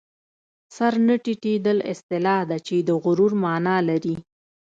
سر نه ټیټېدل اصطلاح ده چې د غرور مانا لري